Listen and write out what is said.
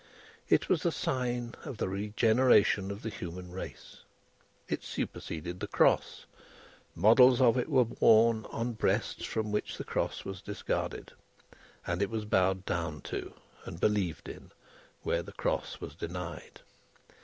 It was the sign of the regeneration of the human race. It superseded the Cross. Models of it were worn on breasts from which the Cross was discarded, and it was bowed down to and believed in where the Cross was denied.